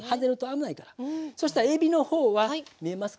そしたらえびの方は見えますかね